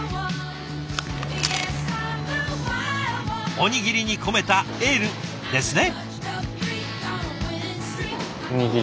おにぎりに込めたエールですね！